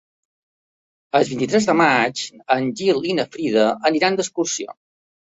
El vint-i-tres de maig en Gil i na Frida aniran d'excursió.